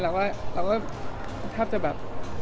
เราก็แทบจะแบบ